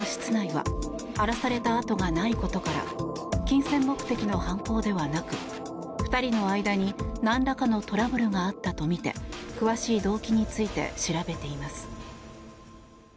殺害現場となった土屋さん宅の室内は荒らされた跡がないことから金銭目的の犯行ではなく２人の間になんらかのトラブルがあったとみて詳しい動機について調べています。